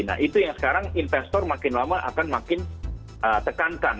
nah itu yang sekarang investor makin lama akan makin tekankan